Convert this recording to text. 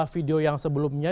video yang sebelumnya